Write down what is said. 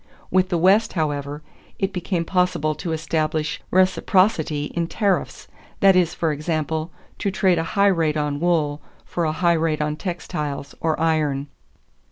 With the West, however, it became possible to establish reciprocity in tariffs; that is, for example, to trade a high rate on wool for a high rate on textiles or iron.